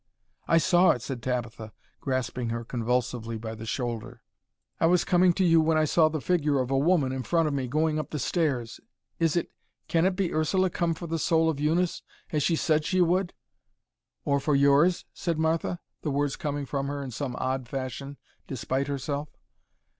"I saw it," said Tabitha, grasping her convulsively by the shoulder. "I was coming to you when I saw the figure of a woman in front of me going up the stairs. Is it—can it be Ursula come for the soul of Eunice, as she said she would?" "Or for yours?" said Martha, the words coming from her in some odd fashion, despite herself.